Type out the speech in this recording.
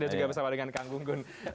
dia juga bersama dengan kang gung gun